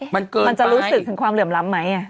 มันเกินมันจะรู้สึกถึงความเหลื่อมล้ำไหม